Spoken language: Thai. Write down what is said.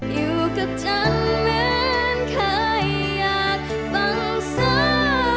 อยู่กับฉันเหมือนเคยอยากบังสา